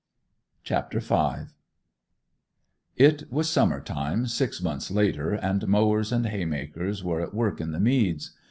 CHAPTER V It was summer time, six months later, and mowers and haymakers were at work in the meads.